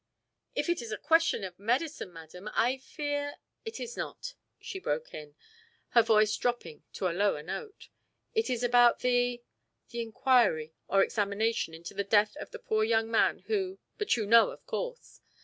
"If it is a question of medicine, madam, I fear " "It is not," she broke in, her voice dropping to a lower note. "It is about the the inquiry or examination into the death of the poor young man who but you know, of course."